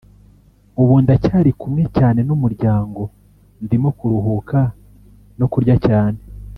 ubu ndacyari kumwe cyane n’umuryango ndimo kuruhuka no kurya cyane